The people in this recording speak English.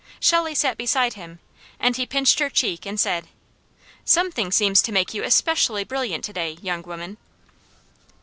Shelley sat beside him, and he pinched her cheek and said: "Something seems to make you especially brilliant today, young woman!"